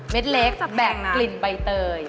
เม็ดเล็กแบกกลิ่นไปเตย